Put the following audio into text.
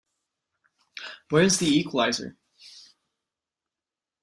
Where is the equalizer?